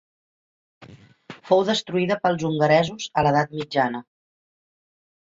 Fou destruïda pels hongaresos a l'edat mitjana.